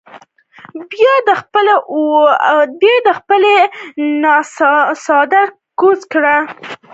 بیا ئې د خپلې اوږې نه څادر کوز کړۀ ـ